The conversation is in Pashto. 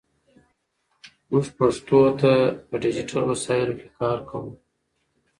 موږ پښتو ته په ډیجیټل وسایلو کې کار کوو.